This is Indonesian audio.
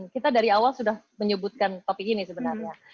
kita dari awal sudah menyebutkan topik ini sebenarnya